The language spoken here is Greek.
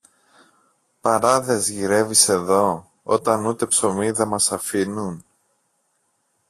Παράδες γυρεύεις εδώ, όταν ούτε ψωμί δεν μας αφήνουν;